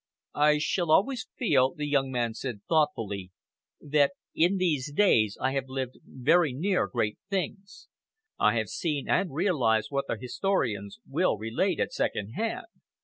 "I shall always feel," the young man said thoughtfully, "that in these days I have lived very near great things. I have seen and realised what the historians will relate at second hand.